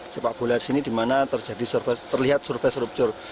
cepak bula di sini dimana terlihat surface rupture